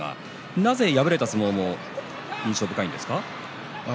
なぜ敗れた相撲も印象深いんですか？